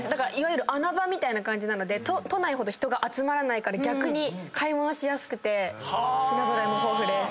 穴場みたいな感じなので都内ほど人が集まらないから逆に買い物しやすくて品揃えも豊富です。